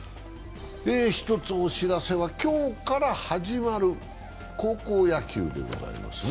１つお知らせは今日から始まる高校野球でございますね。